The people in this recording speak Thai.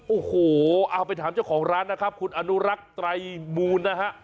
โอ้โหเอาไปถามเจ้าของร้านนะครับคุณอนุรักษ์ไตรมูลนะฮะ